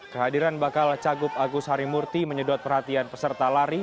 kehadiran bakal cagup agus harimurti menyedot perhatian peserta lari